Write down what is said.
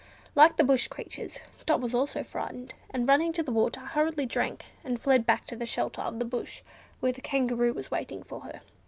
Like the bush creatures, Dot also was frightened, and running to the water, hurriedly drank, and fled back to the shelter of the bush, where the Kangaroo was waiting for her.